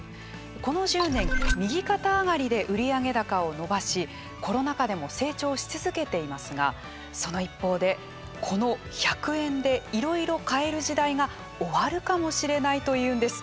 この１０年右肩上がりで売上高を伸ばしコロナ禍でも成長し続けていますがその一方で、この１００円でいろいろ買える時代が終わるかもしれないというんです。